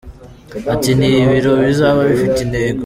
Ati Ni ibirori bizaba bifite intego.